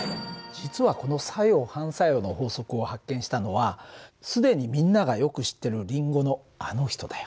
実はこの作用・反作用の法則を発見したのは既にみんながよく知ってるリンゴのあの人だよ。